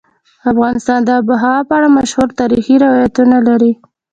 افغانستان د آب وهوا په اړه مشهور تاریخی روایتونه لري.